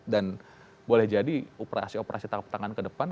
dan boleh jadi operasi operasi tangan ke depan